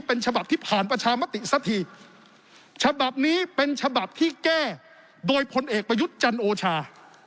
เป็นฉบับที่ผ่านประชามติสักทีฉบับนี้เป็นฉบับที่แก้โดยพลเอกประยุทธ์จันโอชา